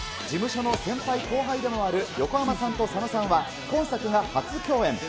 事務所の先輩後輩でもある横浜さんと佐野さんは、今作が初共演。